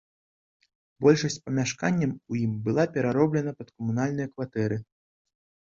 Большасць памяшканняў у ім была перароблена пад камунальныя кватэры.